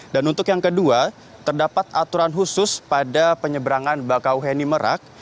dan untuk yang kedua terdapat aturan khusus pada penyeberangan bakauheni merak